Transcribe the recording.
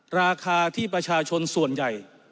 ราคาที่ประชาชนส่วนใหญ่